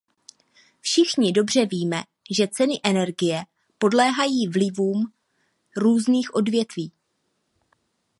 Všichni dobře víme, že ceny energie podléhají vlivům různých odvětví.